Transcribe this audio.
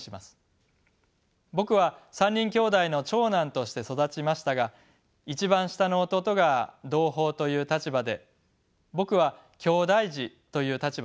僕は３人兄弟の長男として育ちましたが一番下の弟が同胞という立場で僕はきょうだい児という立場でした。